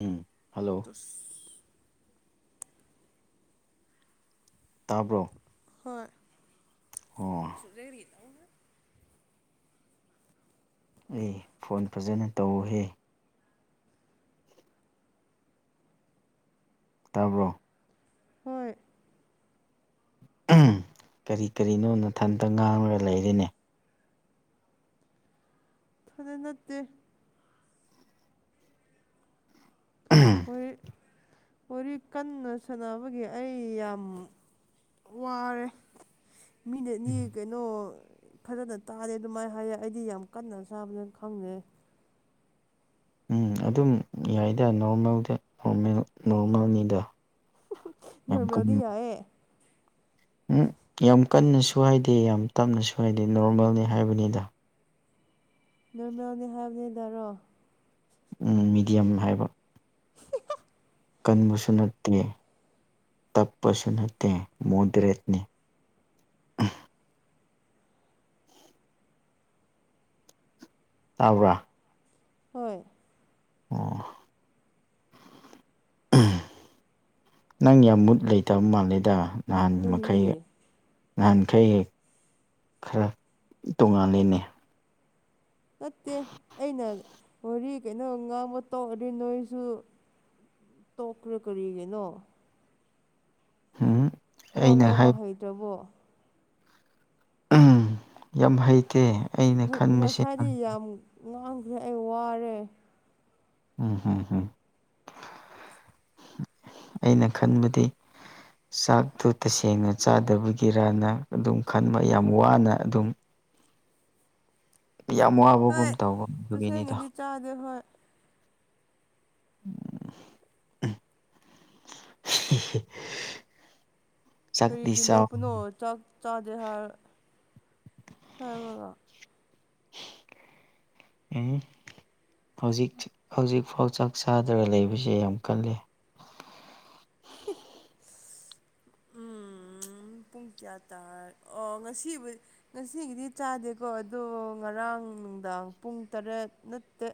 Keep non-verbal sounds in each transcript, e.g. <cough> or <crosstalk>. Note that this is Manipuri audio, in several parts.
ꯎꯝ ꯍꯜꯂꯣ ꯇꯁ ꯇꯥꯕ꯭ꯔꯣ ꯍꯣꯏ ꯑꯣ ꯑꯩ ꯐꯣꯟ ꯐꯖꯅ ꯇꯧꯍꯦ ꯇꯥꯕ꯭ꯔꯣ ꯍꯣꯏ ꯀꯔꯤ ꯀꯔꯤꯅꯣ ꯅꯊꯟꯇ ꯉꯥꯡꯉꯒ ꯂꯩꯔꯤꯅꯦ ꯊꯗ ꯅꯠꯇꯦ ꯋꯥꯔꯤ ꯋꯥꯔꯤ ꯀꯟꯅ ꯁꯥꯟꯅꯕꯒꯤ ꯑꯩ ꯌꯥꯝ ꯋꯥꯔꯦ ꯃꯤꯅꯠꯅꯤ ꯀꯩꯅꯣ ꯐꯖꯅ ꯇꯥꯔꯦ ꯑꯗꯨꯃꯥꯏꯅ ꯍꯥꯏꯌꯦ ꯑꯩꯗꯤ ꯌꯥꯝ ꯀꯟꯅ ꯆꯥꯕꯅ ꯈꯪꯉꯦ ꯎꯝ ꯑꯗꯨꯝ ꯌꯥꯏꯗ ꯅꯣꯔꯃꯦꯜꯗꯃꯦꯜ ꯅꯣꯔꯃꯦꯜꯅꯤꯗ ꯌꯥꯝ ꯔꯃꯤꯣꯗꯤ ꯀꯟꯅ ꯌꯥꯌꯦ ꯎꯝ ꯌꯥꯝ ꯀꯟꯅꯁꯨ ꯍꯥꯏꯗꯦ ꯌꯥꯝ ꯇꯞꯅꯁꯨ ꯍꯥꯏꯗꯦ ꯅꯣꯔꯃꯦꯜꯅꯤ ꯍꯥꯏꯕꯅꯤꯗ ꯅꯔꯃꯦꯜꯅꯤ ꯍꯥꯏꯕꯅꯦꯗꯔꯣ ꯃꯤꯦꯗꯤꯌꯝ ꯍꯥꯏꯕ ꯀꯟꯕꯁꯨ ꯅꯠꯇꯦ ꯇꯞꯄꯁꯨ ꯅꯠꯇꯦ ꯃꯣꯗꯔꯦꯠꯅꯤ ꯑ ꯇꯥꯕ꯭ꯔꯥ ꯍꯣꯏ ꯑꯣ ꯅꯪ ꯌꯥꯝ ꯃꯨꯠ ꯂꯩꯇꯕ ꯃꯥꯜꯂꯦꯗ ꯅꯍꯥꯟ ꯃꯈꯩ ꯀꯔꯤꯒꯤ ꯅꯍꯥꯟꯈꯩ ꯍꯦꯛ ꯈꯔ ꯇꯣꯉꯥꯜꯂꯤꯅꯦ ꯅꯠꯇꯦ ꯑꯩꯅ ꯍꯣꯔꯤ ꯀꯩꯅꯣ ꯉꯥꯡꯕ ꯇꯧꯔꯗꯤ ꯅꯣꯏꯁꯨ ꯇꯧꯀꯔ ꯀꯔꯤꯒꯦꯅꯣ ꯍꯥ ꯋꯥ ꯉꯥꯡꯕ ꯍꯩꯗ꯭ꯔꯕꯣ ꯌꯥꯝ ꯍꯩꯇꯦ ꯑꯩꯅ ꯉꯁꯥꯏꯗꯤ ꯈꯟꯕꯁꯤꯅ ꯌꯥꯝ ꯉꯥꯡꯈ꯭ꯔꯦ ꯑꯩ ꯋꯥꯔꯦ ꯎꯝ ꯎꯝ ꯎꯝ ꯑꯩꯅ ꯈꯟꯕꯗꯤ ꯆꯥꯛꯇꯨ ꯇꯁꯦꯡꯅ ꯆꯥꯗꯕꯒꯤꯔꯅ ꯑꯗꯨꯝ ꯈꯟꯕ ꯌꯥꯝ ꯋꯥꯅ ꯑꯗꯨꯝ ꯌꯥꯝ ꯋꯥꯕꯒꯨꯝ ꯍꯣꯏ ꯇꯧꯕ ꯑꯗꯨꯒꯤꯅꯤꯗꯣ ꯇꯁꯦꯡꯅꯗꯤ ꯆꯥꯗꯦ ꯍꯣꯏ <unintelligible> ꯆꯥꯛꯇꯤ ꯀꯔꯤꯒꯤꯅꯣ ꯆꯥꯎ ꯄꯅꯣ ꯆꯥ ꯇꯥꯖꯦ ꯍꯥꯏꯔ ꯍꯥꯏꯕꯒ ꯑꯦ ꯍꯧꯖꯤꯛ ꯍꯧꯖꯤꯛꯐꯥꯎ ꯆꯥꯛ ꯆꯥꯗ꯭ꯔꯒ ꯂꯩꯕꯁꯦ ꯌꯥꯝ ꯀꯜꯂꯤ <unintelligible> <unintelligible> ꯎꯝ ꯄꯨꯡ ꯀꯌꯥ ꯇꯥꯔ ꯑꯣ ꯉꯁꯤꯕꯨꯗꯤ ꯉꯁꯤꯒꯤꯗꯤ ꯆꯥꯗꯦꯀꯣ ꯑꯗꯣ ꯉꯔꯥꯡ ꯉꯔꯥꯡ ꯅꯨꯡꯗꯥꯡ ꯄꯨꯡ ꯇꯔꯦꯠꯅꯠꯇꯦ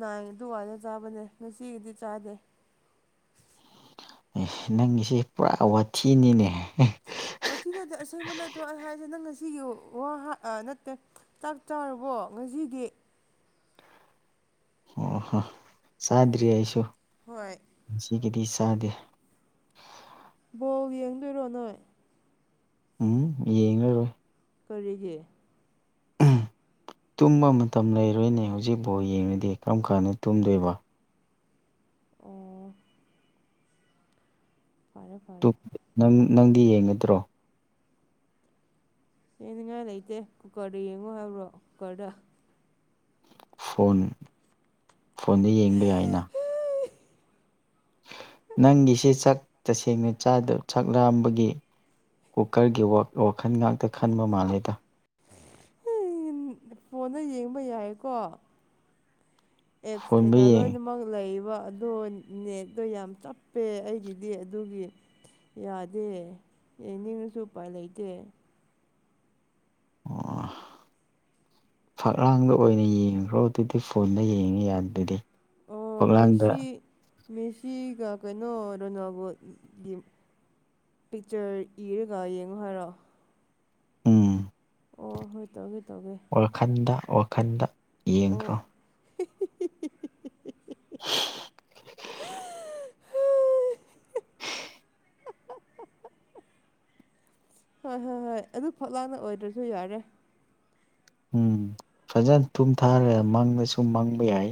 ꯅꯥꯏ ꯑꯗꯨ ꯋꯥꯔ ꯆꯥꯕꯅꯦ ꯅꯨꯡꯁꯤꯒꯤꯗꯤ ꯆꯥꯗꯦ ꯅꯪꯒꯤꯁꯦ ꯄꯨꯔꯥ ꯋꯥꯊꯤꯅꯤꯅꯦ ꯑꯣꯊꯤꯗꯗꯤ ꯑꯁꯦꯡꯕ ꯅꯠꯇ꯭ꯔꯣ ꯑꯩ ꯍꯥꯏꯁꯦ ꯅꯪ ꯉꯁꯤ ꯋꯥ ꯅꯠꯇꯦ ꯆꯥꯛ ꯆꯥꯔꯕꯣ ꯀ ꯉꯁꯤꯗꯤ ꯑꯣ ꯍꯣ ꯆꯥꯗ꯭ꯔꯤ ꯑꯩꯁꯨ ꯍꯣꯏ ꯁꯤꯒꯤꯗꯤ ꯆꯥꯗꯦ ꯕꯣ ꯌꯦꯡꯗꯣꯏꯔꯣ ꯅꯣꯏ ꯎꯝ ꯌꯦꯡꯉ ꯀꯔꯤꯒꯤ ꯎꯝ ꯇꯨꯝꯕ ꯃꯇꯝ ꯂꯩꯔꯣꯏꯅꯦ ꯍꯧꯖꯤꯛꯐꯥꯎ ꯌꯦꯡꯉꯨꯗꯗꯤ ꯀꯔꯝ ꯀꯥꯟꯗ ꯇꯨꯝꯗꯣꯏꯕ ꯑꯣ ꯐꯔꯦ ꯐꯔꯦ ꯅꯪꯗꯤ ꯌꯦꯡꯒꯗ꯭ꯔꯣ ꯍꯅꯤꯡꯉꯥꯏ ꯂꯩꯇꯦ ꯀꯨꯀꯔꯗ ꯌꯦꯡꯉꯣ ꯍꯥꯏꯕ꯭ꯔꯣ ꯀꯨꯀꯔꯗ ꯐꯣꯟ ꯐꯣꯟꯗ ꯌꯦꯡꯕ ꯌꯥꯏꯅ <unintelligible> ꯅꯪꯒꯤꯁꯦ ꯁꯛ ꯇꯁꯦꯡꯅ ꯆꯗ ꯁꯛ ꯂꯥꯝꯕꯒꯤ ꯀꯨꯀꯔꯒꯤ ꯋꯥꯈꯜ ꯉꯥꯛꯇ ꯈꯟꯕ ꯃꯥꯜꯂꯦꯗ ꯐꯣꯟꯗ ꯌꯦꯡꯕ ꯌꯥꯏꯀꯣ ꯑꯦꯞꯁ ꯐꯣꯟꯗ ꯀꯩꯀꯥ ꯌꯦꯡꯉꯤ ꯂꯣꯏꯅꯃꯛ ꯂꯩ ꯑꯗꯣ ꯅꯦꯠꯇꯣ ꯌꯥꯝ ꯆꯞꯄꯦ ꯑꯩꯒꯤꯗꯤ ꯑꯗꯨꯒꯤ ꯌꯥꯗꯦ ꯌꯥꯅꯤꯡꯉꯁꯨ ꯎꯄꯥꯏ ꯂꯩꯇꯦ ꯑꯣ ꯐꯛꯂꯥꯡꯗ ꯑꯣꯏꯅ ꯌꯦꯡꯈ꯭ꯔꯣ ꯑꯗꯨꯗꯤ ꯐꯣꯟꯗ ꯌꯦꯡꯉꯤ ꯌꯥꯗꯗꯤ ꯑꯣ ꯐꯛꯂꯥꯡꯗ ꯃꯦꯁꯤ ꯃꯦꯁꯤꯒ ꯀꯩꯅꯣ ꯔꯣꯅꯥꯜꯕꯣꯒꯤ ꯄꯤꯛꯆꯔ ꯏꯔꯒ ꯌꯦꯡꯉꯨ ꯍꯥꯏꯔꯣ ꯎꯝ ꯑꯣ ꯍꯣꯏ ꯇꯧꯦ ꯋꯥꯈꯟꯗ ꯋꯥꯈꯟꯗ ꯑꯣ ꯌꯦꯡꯈ꯭ꯔꯣ <unintelligible> <unintelligible> ꯍꯣꯏ ꯍꯣꯏ ꯍꯣꯏ ꯑꯗꯨ ꯐꯛ ꯂꯥꯡꯅ ꯑꯣꯏꯗ꯭ꯔꯁꯨ ꯌꯥꯔꯦ ꯎꯝ ꯐꯖꯅ ꯊꯨꯝ ꯊꯥꯔꯒ ꯃꯪꯗꯁꯨꯨꯝ ꯃꯪꯕ ꯌꯥꯏ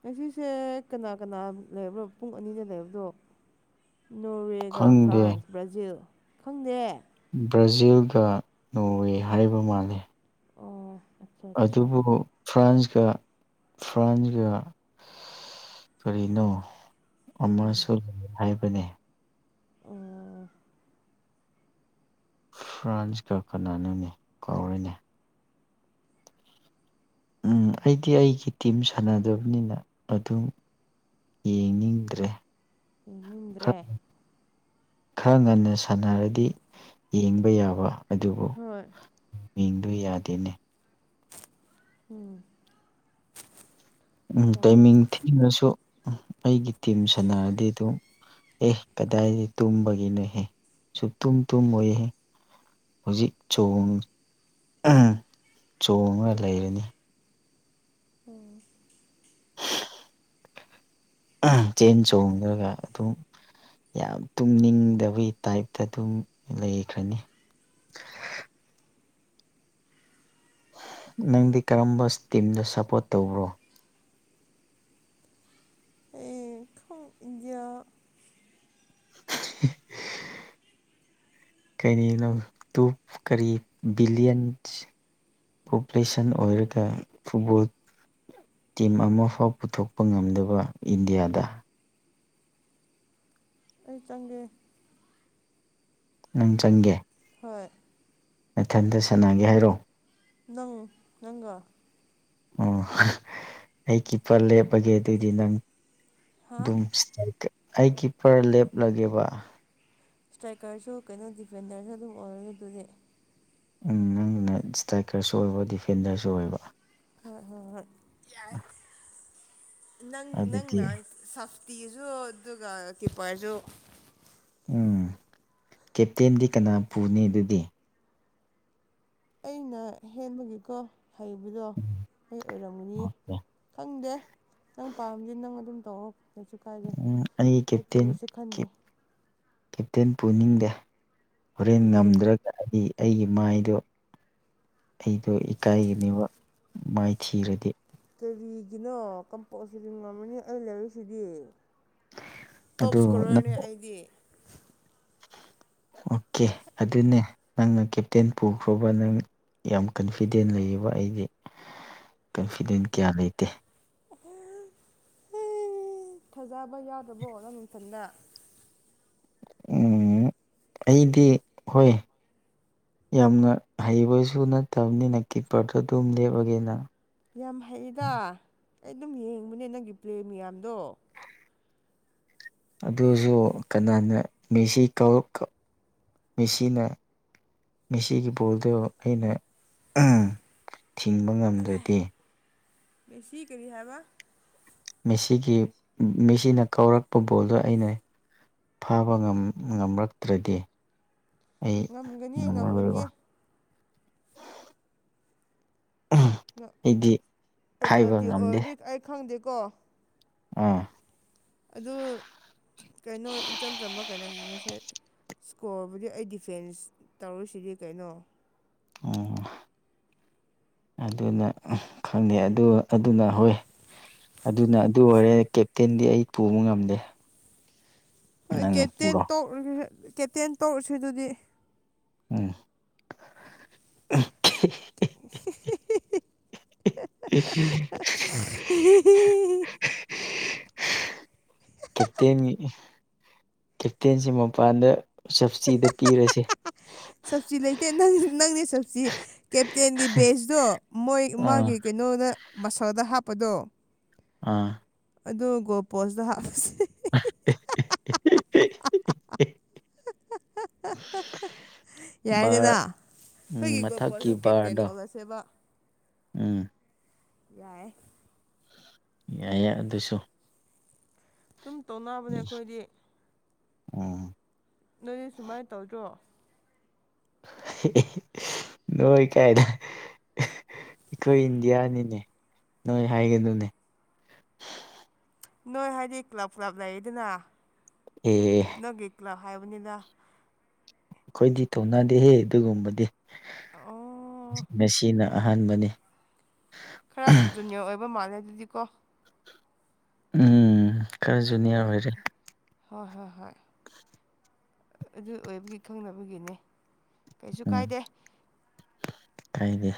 ꯉꯁꯤꯁꯦ ꯀꯅꯥ ꯀꯅꯥ ꯂꯩꯕ꯭ꯔꯣ ꯄꯨꯡ ꯑꯅꯤꯗ ꯂꯩꯕꯗꯣ ꯅꯣꯔꯋꯦꯒ ꯈꯪꯗꯦ ꯐ꯭ꯔꯥꯟꯁ ꯕ꯭ꯔꯥꯖꯤꯜ ꯈꯪꯗꯦ ꯕ꯭ꯔꯥꯖꯤꯜꯒ ꯅꯣꯋꯦ ꯍꯥꯏꯕ ꯃꯥꯂꯦ ꯑꯣ ꯑꯠꯆꯥ ꯑꯠꯆꯥ ꯑꯗꯨꯕꯨ ꯐ꯭ꯔꯥꯟꯁꯀ ꯐ꯭ꯔꯥꯟꯁꯀ ꯀꯔꯤꯅꯣ ꯑꯃꯁꯨ ꯂꯩ ꯍꯥꯏꯕꯅꯤ ꯑ ꯐ꯭ꯔꯥꯟꯁꯀ ꯀꯅꯥꯅꯣꯅꯤ ꯀꯥꯎꯔꯤꯅꯦ ꯎꯝ ꯑꯩꯗꯤ ꯑꯩꯒꯤ ꯇꯤꯝ ꯁꯥꯟꯅꯗꯕꯅꯤꯅ ꯑꯗꯨꯝ ꯌꯦꯡꯅꯤꯡꯗ꯭ꯔꯦ ꯏꯅꯤꯡꯗ꯭ꯔꯦ ꯈꯔ ꯈꯔ ꯉꯟꯅ ꯁꯥꯟꯅꯔꯗꯤ ꯌꯦꯡꯕ ꯌꯥꯕ ꯑꯗꯨꯕꯨ ꯍꯣꯏ ꯃꯤꯡꯗꯨ ꯌꯥꯗꯦꯅꯦ ꯎꯝ ꯌꯥꯎꯅꯤ ꯇꯥꯏꯃꯤꯡ ꯊꯤꯉꯁꯨ ꯑꯩꯒꯤ ꯇꯤꯝ ꯁꯥꯟꯅꯔꯗꯤ ꯑꯗꯨꯝ ꯑꯦꯍ ꯀꯗꯥꯏꯗꯤ ꯇꯨꯝꯕꯒꯤꯅꯣꯍꯦ ꯁꯨ ꯇꯨꯝ ꯇꯨꯝ ꯑꯣꯏꯍꯦ ꯍꯧꯖꯤꯛ ꯆꯣꯡ ꯆꯣꯉꯒ ꯂꯩꯔꯅꯤ ꯑꯣ ꯆꯦꯟ ꯆꯣꯡꯈ꯭ꯔꯒ ꯑꯗꯨꯝ ꯌꯥꯝ ꯇꯨꯝꯅꯤꯡꯗꯕꯒꯤ ꯇꯥꯏꯞꯇ ꯑꯗꯨꯝ ꯂꯩꯈ꯭ꯔꯅꯤ <unintelligible> ꯅꯪꯗꯤ ꯀꯔꯝꯕ ꯇꯤꯝꯗ ꯁꯄꯣꯔꯠ ꯇꯧꯕ꯭ꯔꯣ ꯏꯣ ꯏꯌꯥ <unintelligible> ꯀꯩꯅꯤꯅꯣ ꯇꯨ ꯀꯔꯤ ꯕꯤꯂꯤꯌꯟꯁ ꯄꯣꯄꯨꯂꯦꯁꯟ ꯑꯣꯏꯔꯒ ꯐꯨꯠꯕꯣꯜ ꯇꯤꯝ ꯑꯃꯐꯥꯎ ꯄꯨꯊꯣꯛꯄ ꯉꯝꯗꯕ ꯏꯟꯗꯤꯌꯥꯗ ꯑꯩ ꯆꯪꯒꯦ ꯅꯪ ꯆꯪꯒꯦ ꯍꯣꯏ ꯃꯊꯟꯗ ꯁꯅꯒꯦ ꯍꯥꯏꯔꯛ ꯅꯪ ꯅꯪꯒ ꯑꯣ ꯑꯩ ꯀꯤꯄꯔ ꯂꯦꯞꯄꯒꯦ ꯑꯗꯨꯏꯗꯤ ꯅꯪ ꯍꯥ ꯑꯗꯨꯝ ꯑꯩ ꯀꯤꯄꯔ ꯂꯦꯞꯂꯒꯦꯕ ꯏꯁꯇ꯭ꯔꯥꯏꯀꯔꯁꯨ ꯀꯩꯅꯣ ꯗꯤꯐꯦꯟꯗꯔꯁꯨ ꯑꯗꯨꯝ ꯑꯣꯏꯔꯒꯦ ꯑꯗꯨꯗꯤ ꯅꯪꯅ ꯏꯁꯇ꯭ꯔꯥꯏꯀꯔꯁꯨ ꯑꯣꯏꯕ ꯗꯤꯐꯦꯟꯗꯔꯁꯨ ꯑꯣꯏꯕ ꯍꯣꯏ ꯍꯣꯏ ꯍꯣꯏ ꯑ ꯅꯪ ꯅꯪꯅ ꯁꯐꯇꯤꯁꯨ ꯑꯗꯨꯒ ꯀꯤꯞꯄꯔꯁꯨ ꯎꯝ ꯀꯦꯞꯇꯦꯟꯗꯤ ꯀꯅꯥ ꯄꯨꯅꯤ ꯑꯗꯨꯗꯤ ꯑꯩꯅ ꯍꯦꯟꯕꯒꯤꯀꯣ ꯍꯩꯕꯗꯣ ꯑꯩ ꯑꯣꯏꯔꯝꯒꯅꯤꯌꯦ ꯈꯪꯗꯦ ꯅꯪ ꯄꯥꯝꯁ ꯅꯪ ꯑꯗꯨꯝ ꯇꯧꯑꯣ ꯀꯩꯁꯨ ꯀꯥꯏꯗꯦ ꯎꯝ ꯑꯩ ꯅ ꯀꯦꯞꯇꯦꯟ ꯀꯨꯔꯤꯁꯨ ꯈꯟꯗꯦ ꯀꯦꯞꯇꯦꯟ ꯄꯨꯅꯤꯡꯗꯦ ꯍꯣꯔꯦꯟ ꯀꯔꯤꯒꯤ ꯉꯝꯗ꯭ꯔꯒ ꯍꯥꯏꯗꯤ ꯑꯩꯒꯤ ꯃꯥꯏꯗꯣ ꯑꯩꯗꯣ ꯏꯀꯥꯏꯒꯅꯦꯕ ꯃꯥꯏꯊꯤꯔꯗꯤ ꯀꯔꯤꯒꯤꯅꯣ ꯀꯝꯄꯜꯁꯔꯤ ꯉꯝꯃꯅꯤ ꯑꯩ ꯂꯩꯔꯤꯁꯤꯗꯤ ꯇꯣꯞ ꯑꯗꯣ ꯅꯪ ꯏꯁꯀꯣꯔꯔꯅꯤ ꯑꯩꯗꯤ ꯑꯣꯀꯦ ꯑꯗꯨꯅꯦ ꯅꯪꯅ ꯀꯦꯞꯇꯦꯟ ꯄꯨꯈ꯭ꯔꯣꯕ ꯅꯪ ꯌꯥꯝ ꯀꯟꯐꯤꯗꯦꯟ ꯂꯩꯌꯦꯕ ꯑꯩꯗꯤ ꯀꯟꯐꯤꯗꯦꯟ ꯀꯌꯥ ꯂꯩꯇꯦ <unintelligible> ꯊꯥꯖꯕ ꯌꯥꯗ꯭ꯔꯕꯣꯅ ꯅꯨꯡꯊꯜꯗ ꯎ ꯑꯩꯗꯤ ꯍꯣꯏ ꯌꯥꯝꯅ ꯍꯩꯕꯁꯨ ꯅꯠꯇꯕꯅꯤꯅ ꯀꯤꯞꯄꯔꯗꯣ ꯑꯗꯨꯝ ꯂꯦꯞꯄꯒꯦꯅ ꯌꯥꯝ ꯍꯩꯗ ꯑꯩ ꯑꯗꯨꯝ ꯌꯦꯡꯕꯅꯦ ꯅꯪꯒꯤ ꯄ꯭ꯂꯦ ꯃꯌꯥꯝꯗꯣ ꯑꯗꯨꯁꯨ ꯀꯅꯥꯅ ꯃꯦꯁꯤ ꯃꯤꯁꯤꯅ ꯃꯤꯁꯤꯒꯤ ꯄꯣꯜꯗꯣ ꯑꯩꯅ ꯊꯤꯡꯕ ꯉꯝꯗ꯭ꯔꯗꯤꯦ ꯦꯁꯤ ꯀꯔꯤ ꯍꯥꯏꯕ ꯃꯦꯁꯤꯒꯤ ꯃꯤꯦꯁꯤꯅ ꯀꯧꯔꯛꯄ ꯕꯣꯜꯗꯣ ꯑꯩꯅ ꯐꯥꯕ ꯉꯝꯔꯛꯇ꯭ꯔꯗꯤ ꯑꯩ ꯉꯝꯒꯅꯤ ꯃꯃ ꯑꯣꯏ ꯉꯝꯒꯅꯤ ꯑꯩꯗꯤ ꯍꯥꯏꯕ ꯉꯝꯗꯦ ꯀꯣ ꯑꯥ ꯑꯗꯨ ꯀꯩꯅꯣ ꯏꯆꯝ ꯆꯝꯕ ꯀꯩꯅꯣ ꯍꯥꯏꯁꯦ ꯏꯁꯀꯣꯔꯕꯨꯗꯤ ꯑꯩ ꯗꯤꯐꯦꯟꯁ ꯇꯧꯔꯨꯁꯤꯗꯤ ꯀꯩꯅꯣ ꯑꯣ ꯑꯗꯨꯅ ꯈꯪꯅꯦ ꯑꯗꯨꯅ ꯍꯣꯏ ꯑꯗꯨꯅ ꯑꯗꯨ ꯑꯣꯏꯔꯦ ꯀꯦꯞꯇꯦꯟꯗꯤ ꯑꯩ ꯄꯨꯕ ꯉꯝꯗꯦ ꯍꯣꯏ ꯅꯪꯅ ꯀꯦꯇꯦꯟ ꯄꯨꯔꯣ ꯀꯦꯇꯦꯟ ꯇꯧꯔꯨꯁꯤ ꯑꯗꯨꯗꯤ ꯎꯝ <inaudible> <unintelligible> <unintelligible> ꯀꯦꯞꯇꯦꯟꯒꯤ ꯀꯦꯞꯇꯦꯟꯁꯤ ꯃꯄꯥꯟꯗ ꯁꯞꯕꯁꯤꯇꯗ ꯄꯤꯔꯁꯦ ꯁꯞꯁꯇꯤ ꯂꯩꯇꯦ ꯅꯪ ꯅꯪꯅꯦ ꯆꯁꯤ ꯀꯦꯞꯇꯦꯟꯒꯤ ꯄꯦꯖꯇꯣ ꯃꯣꯏ ꯑꯥ ꯃꯥꯒꯤ ꯀꯩꯅꯣꯗ ꯃꯁꯜꯗ ꯍꯥꯞꯄꯗꯣ ꯑꯥ ꯑꯗꯨꯒ ꯒꯣ ꯄꯣꯁꯇꯣ ꯍꯥꯞꯄꯁ <inaudible> ꯕꯥꯔ ꯌꯥꯏꯗꯅ ꯑꯩꯈꯣꯏꯒꯤ ꯒꯣꯜ ꯃꯊꯛꯀꯤ ꯄꯣꯁꯇ ꯀꯦꯞꯇꯦꯟ ꯕꯥꯔꯗꯣ ꯑꯣꯜꯂꯁꯦꯕ ꯎꯝ ꯌꯥꯏ ꯌꯥꯏꯌꯦ ꯑꯗꯨꯁꯨ ꯑꯗꯨꯝ ꯇꯧꯅꯕꯅꯦ ꯑꯩꯈꯣꯏꯗꯤ ꯑ ꯅꯣꯏꯅꯦ ꯁꯨꯃꯥꯏꯅ ꯇꯧꯗ꯭ꯔꯣ ꯅꯣꯏ ꯀꯥꯏꯗ ꯑꯩꯈꯣꯏ ꯏꯟꯗꯤꯌꯥꯅꯤꯅꯦ ꯅꯣꯏ ꯍꯥꯏꯒꯗꯨꯅꯦ ꯅꯣꯏ ꯍꯥꯏꯗꯤ ꯀ꯭ꯂꯕ ꯀ꯭ꯂꯕ ꯂꯩꯗꯅ ꯑꯦ ꯅꯪꯒꯤ ꯀ꯭ꯂꯕ ꯍꯥꯏꯕꯅꯤꯅ ꯑꯩꯈꯣꯏꯗꯤ ꯊꯧꯅꯗꯦꯍꯦ ꯑꯗꯨꯒꯨꯝꯕꯗꯤ ꯑꯣ ꯃꯁꯤꯅ ꯑꯍꯥꯟꯕꯅꯤ ꯈꯔ ꯖꯨꯅꯤꯌꯔ ꯑꯣꯏꯕ ꯃꯥꯜꯂꯦ ꯑꯗꯨꯗꯤꯀꯣ ꯎꯝ ꯈꯔꯖꯨꯅꯤ ꯑꯗꯨ ꯑꯣꯏꯔꯦ ꯍꯣꯏ ꯍꯣꯏ ꯍꯣꯏ ꯑꯗꯨ ꯑꯣꯏꯕꯒꯤ ꯈꯪꯅꯕꯒꯤꯅꯦ ꯀꯩꯁꯨ ꯀꯥꯏꯗꯦ ꯀꯥꯏꯅꯦ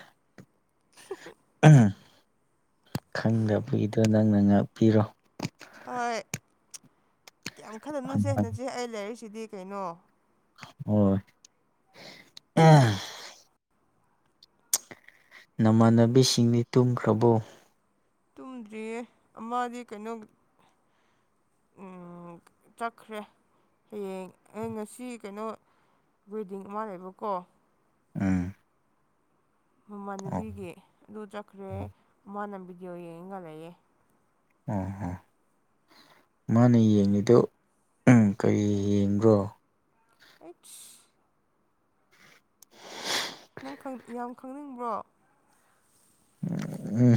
<inaudible> ꯈꯪꯗꯕꯤꯒꯤꯗꯣ ꯅꯪꯅ ꯉꯥꯛꯄꯤꯔꯣ ꯍꯣꯏ ꯀꯌꯥꯝ ꯈꯗꯅꯨꯁꯦ ꯑꯉꯥꯡ ꯅꯆꯦ ꯑꯩ ꯂꯩꯔꯤꯁꯤꯗꯤ ꯀꯩꯅꯣ ꯑꫭ ꯑ ꯅꯃꯥꯟꯅꯕꯤꯁꯤꯡꯅꯤ ꯇꯨꯝꯈ꯭ꯔꯕꯣ ꯇꯨꯝꯗ꯭ꯔꯤꯌꯦ ꯑꯃꯗꯤꯗꯤ ꯀꯩꯅꯣ <inaudible> ꯆꯠꯈ꯭ꯔꯦ ꯍꯌꯦꯡ ꯑꯩ ꯉꯁꯤ ꯀꯩꯅꯣ ꯋꯤꯗꯤꯡ ꯑꯃ ꯂꯩꯕꯀꯣ ꯑ ꯃꯃꯥꯟꯅꯕꯤꯒꯤ ꯑꯗꯨ ꯆꯠꯈ꯭ꯔꯦ ꯃꯥꯅ ꯚꯤꯗꯤꯑꯣ ꯌꯦꯡꯒꯜꯂꯛꯑꯦ ꯑ ꯍ ꯃꯥꯅ ꯌꯦꯡꯉꯤꯗꯣ ꯀꯔꯤ ꯌꯦꯡꯕ꯭ꯔꯣ ꯑꯦꯠꯁ ꯅꯪ ꯌꯥꯝ ꯈꯪꯅꯤꯡꯕ꯭ꯔꯣ ꯎꯝ ꯎꯝ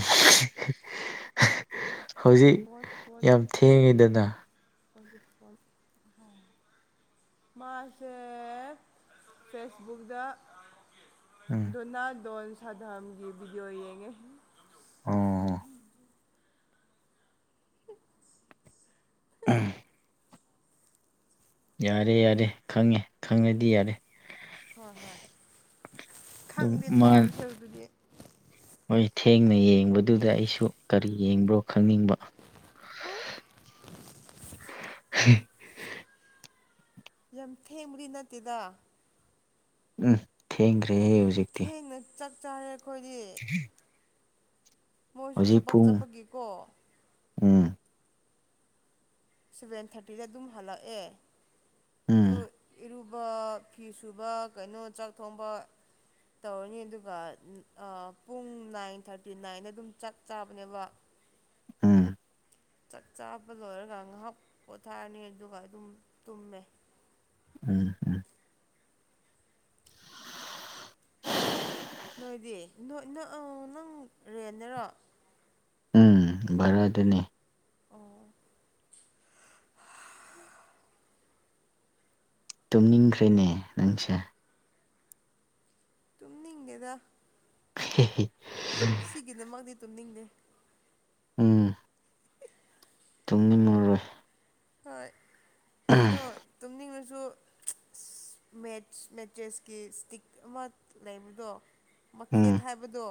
ꯍꯧꯖꯤꯛ ꯐꯣꯟ ꯐꯣꯟ ꯌꯥꯝ ꯊꯦꯡꯉꯤꯗꯅ <unintelligible> ꯃꯥꯁꯦ ꯐꯦꯁꯕꯨꯛꯗ ꯎꯝ ꯣꯅ ꯗꯣꯟ ꯑꯊꯥ ꯗꯥꯝꯒꯤ ꯚꯗꯤꯑꯣ ꯌꯦꯡꯉꯦ ꯑꯣ ꯎꯝ ꯌꯥꯔꯦ ꯌꯥꯔꯦ ꯈꯪꯉꯦ ꯈꯪꯉꯗꯤ ꯌꯥꯔꯦ ꯍꯣꯏ ꯍꯣꯏ ꯑꯗꯨꯝ ꯈꯪꯗꯦ ꯃꯥ ꯇꯧꯑꯁꯦ ꯑꯗꯨꯗꯤ ꯍꯣꯏ ꯊꯦꯡꯅ ꯌꯦꯡꯕꯗꯨꯗ ꯑꯩꯁꯨ ꯀꯔꯤ ꯌꯦꯡꯕ꯭ꯔꯣ ꯈꯪꯅꯤꯡꯕ ꯌꯥꯝ ꯊꯦꯡꯕꯗꯤ ꯅꯠꯇꯦꯗ ꯎꯝ ꯊꯦꯡꯈ꯭ꯔꯦꯍꯦ ꯍꯧꯖꯤꯛꯇꯤ ꯆꯔꯦ ꯑꯩꯈꯣꯏꯗꯤ ꯃꯣꯏꯁꯨ ꯍꯧꯖꯤꯛ ꯊꯕꯛ ꯄꯨꯡ ꯆꯠꯄꯒꯤꯦꯀꯣ ꯎꯝ ꯁꯚꯦꯟ ꯊꯥꯔꯇꯤꯗ ꯑꯗꯨꯝ ꯍꯜꯂꯛꯑꯦ ꯑꯗꯨ ꯎꯝ ꯁꯕ ꯐꯤ ꯁꯨꯕ ꯀꯩꯅꯣ ꯆꯥꯛ ꯊꯣꯡꯕ ꯇꯧꯔꯅꯤ ꯑꯗꯨꯒ ꯄꯨꯡ ꯅꯥꯏꯟ ꯊꯥꯔꯇꯤ ꯅꯥꯏꯟꯗ ꯑꯗꯨꯝ ꯆꯞ ꯆꯥꯕꯅꯦꯕ ꯎꯝ ꯆꯥꯛ ꯆꯥꯕ ꯂꯣꯏꯔꯒ ꯉꯥꯏꯍꯥꯛ ꯄꯣꯊꯥꯔꯅꯤ ꯑꯗꯨꯒꯝ ꯇꯨꯝꯃꯦ ꯎꯝ ꯎꯝ ꯅꯣꯏꯗꯤ ꯅꯪ ꯔꯦꯟꯅꯔꯣ ꯎꯝ ꯚꯔ ꯑꯗꯨꯅꯤ ꯑꯣ ꯇꯨꯝꯅꯤꯡꯈ꯭ꯔꯦꯅꯦ ꯅꯪꯁꯦ ꯇꯨꯝꯉꯗ <unintelligible> ꯁꯤꯒꯤꯗꯃꯛꯗꯤ ꯇꯨꯝꯅꯤꯡꯗꯦ ꯎꯝ ꯇꯨꯡꯅꯤꯡ ꯃꯔꯔꯣꯏ ꯍꯣꯏ ꯀꯩꯅꯣ ꯇꯅꯤ ꯁꯨ ꯃꯦ ꯃꯦꯠꯆꯦꯁꯀꯤ ꯏꯁꯇꯤꯛ ꯑꯃ ꯂꯩꯕꯗꯣ ꯎꯝ ꯃꯈꯦꯠ ꯍꯥꯏꯕꯗꯣ